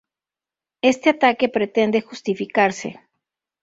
Este ataque pretende justificarse